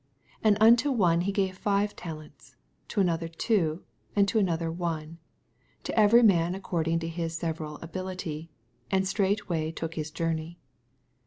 15 And unto one he gave five tal ents, to another two, and to another one; to every man according to his several abiUty ; and straightway took his journey.